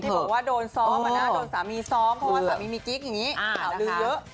เพราะว่าสามีมีกิ๊กอย่างนี้หลักลือเยอะ